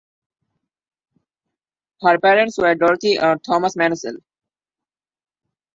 Her parents were Dorothy and Thomas Maunsell.